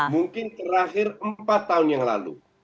mungkin terakhir empat tahun yang lalu